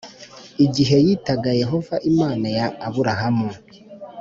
Igihe yitaga yehova imana ya aburahamu